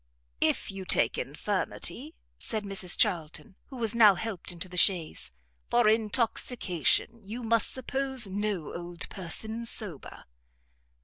"If you take infirmity," said Mrs Charlton, who was now helped into the chaise, "for intoxication, you must suppose no old person sober."